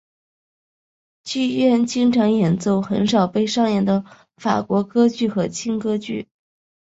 剧院经常演奏很少被上演的法国歌剧和轻歌剧。